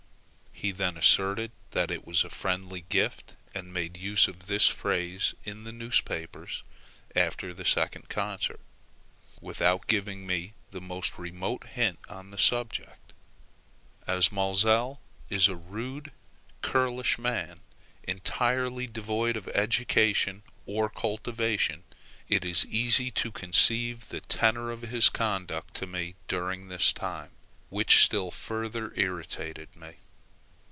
He then asserted that it was a friendly gift, and made use of this phrase in the newspapers after the second concert, without giving me the most remote hint on the subject. As Maelzel is a rude, churlish man, entirely devoid of education or cultivation, it is easy to conceive the tenor of his conduct to me during this time, which still further irritated me.